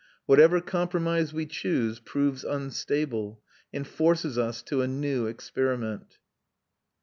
Whatever compromise we choose proves unstable, and forces us to a new experiment.